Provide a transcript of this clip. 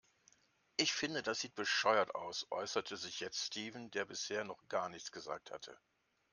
Ich finde, das sieht bescheuert aus, äußerte sich jetzt Steven, der bisher noch gar nichts gesagt hatte.